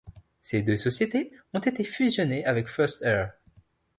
Ces deux sociétés ont été fusionnées avec First Air.